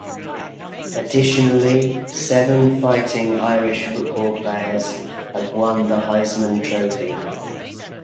Additionally, seven Fighting Irish football players have won the Heisman Trophy.